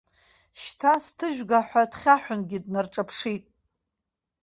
Шьҭа сҭыжәга ҳәа дхьаҳәынгьы днарҿаԥшит.